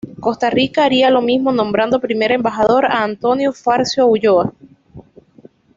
Costa Rica haría lo mismo nombrando primer embajador a Antonio Facio Ulloa.